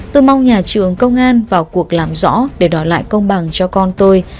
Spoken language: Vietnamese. tôi mong nhà trường công an vào cuộc làm rõ để đòi lại công bằng cho con tôi